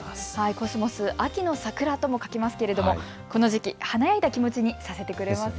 コスモス、秋の桜とも書きますけれどもこの時期、華やいだ気持ちにさせてくれますよね。